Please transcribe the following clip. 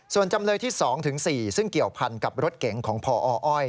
ส่วนจำเลยที่๒๔ซึ่งเกี่ยวพันกับรถเก๋งของพออ้อย